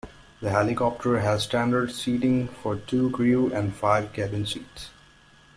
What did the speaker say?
The helicopter has standard seating for two crew and five cabin seats.